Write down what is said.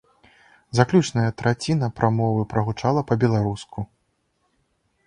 Заключная траціна прамовы прагучала па-беларуску.